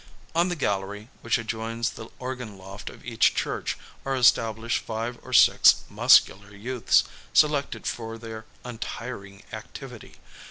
On the gallery, which adjoins the organ loft of each church, are established five or six muscular youths, selected for their untiring activity.